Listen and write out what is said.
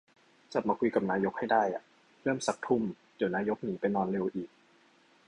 จับมาคุยกับนายกให้ได้อะ เริ่มซัก ทุ่ม เดี๋ยวนายกหนีไปนอนเร็วอีก